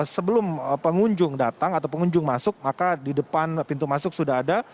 sebelum pengunjung datang atau pengunjung masuk maka di depan pintu masuk sudah ada